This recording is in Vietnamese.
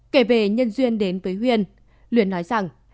kể về nhân duyên đến với huyên luyến nói rằng